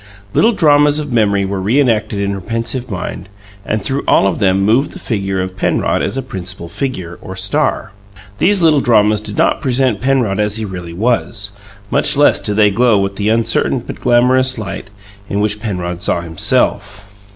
Little dramas of memory were reenacted in her pensive mind, and through all of them moved the figure of Penrod as a principal figure, or star. These little dramas did not present Penrod as he really was, much less did they glow with the uncertain but glamorous light in which Penrod saw himself.